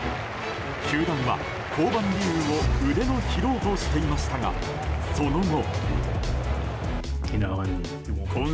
球団は降板理由を腕の疲労としていましたがその後。